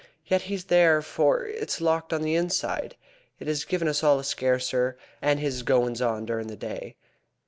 Yet he's there, for it's locked on the inside. It has given us all a scare, sir, that, and his goin's on during the day."